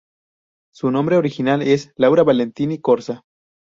Su nombre original es Laura Valentini Corsa.